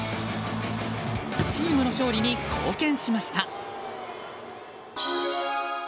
チームの勝利に貢献しました。